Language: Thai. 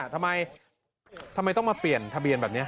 ทำไมทำไมต้องมาเปลี่ยนทะเบียนแบบนี้